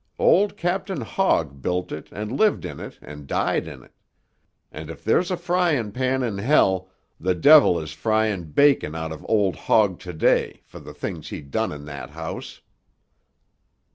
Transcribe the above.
Old Captain Hogg built it and lived in it and died in it. And if there's a fryin' pan in hell, the devil is fryin' bacon out of old Hogg to day for the things he done in that house."